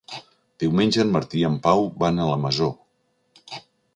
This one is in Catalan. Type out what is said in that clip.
Diumenge en Martí i en Pau van a la Masó.